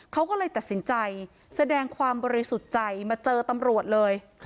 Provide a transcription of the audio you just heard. เขาก็เลยตัดสินใจแสดงความบริสุทธิ์ใจมาเจอตำรวจเลย